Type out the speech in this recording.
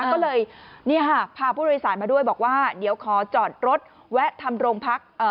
ก็เลยพาผู้โดยสารมาด้วยบอกว่าเดี๋ยวขอจอดรถแวะทำโรงพัก